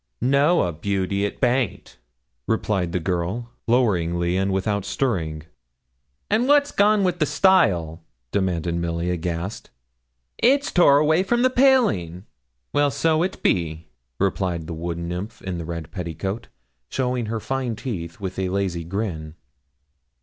'No a, Beauty; it baint,' replied the girl, loweringly, and without stirring. 'And what's gone with the stile?' demanded Milly, aghast. 'It's tore away from the paling!' 'Well, so it be,' replied the wood nymph in the red petticoat, showing her fine teeth with a lazy grin.